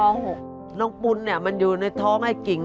น้องปุ้นมันอยู่ในท้องไอ้กิง